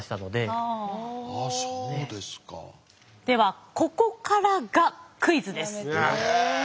ではここからがクイズです。